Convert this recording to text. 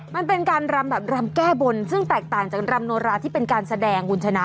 มันเป็นการรำแบบรำแก้บนซึ่งแตกต่างจากรำโนราที่เป็นการแสดงคุณชนะ